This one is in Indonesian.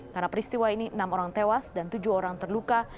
karena peristiwa ini enam orang tewas dan tujuh orang terluka